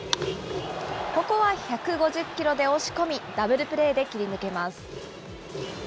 ここは１５０キロで押し込み、ダブルプレーで切り抜けます。